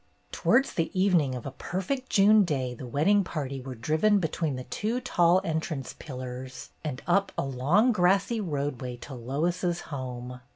Towards the evening of a perfect June day the wedding party were driven between the two tall entrance pillars and up a long grassy roadway to Lois's home.